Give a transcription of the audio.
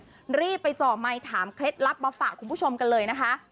รีบไปเจาะไมค์ถามเคล็ดลับมาฝากคุณผู้ชมกันเลยนะคะ